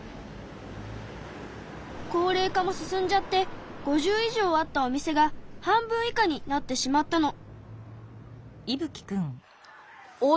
高れい化も進んじゃって５０以上あったお店が半分以下になってしまったの。